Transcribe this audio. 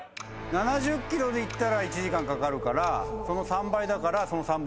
７０ｋｍで行ったら１時間かかるからその３倍だからその３分の１の「２０分」